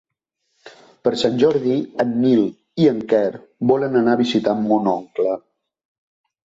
Per Sant Jordi en Nil i en Quer volen anar a visitar mon oncle.